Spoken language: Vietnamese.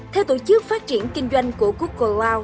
theo tổ chức phát triển kinh doanh của google w